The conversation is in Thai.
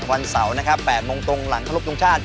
วันเสาร์นะครับ๘โมงตรงหลังครบทรงชาติ